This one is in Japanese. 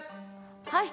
はい。